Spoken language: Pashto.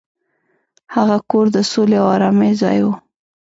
هغه کور د سولې او ارامۍ ځای و.